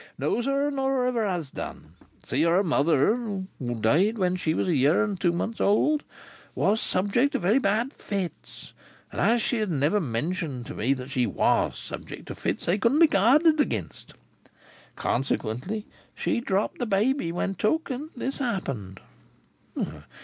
"No, sir, nor never has done. You see, her mother (who died when she was a year and two months old) was subject to very bad fits, and as she had never mentioned to me that she was subject to fits, they couldn't be guarded against. Consequently, she dropped the baby when took, and this happened."